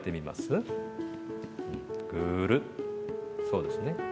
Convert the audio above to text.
そうですね。